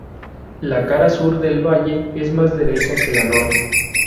La cara sur del valle es más derecha que la norte.